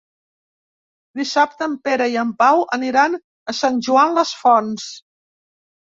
Dissabte en Pere i en Pau aniran a Sant Joan les Fonts.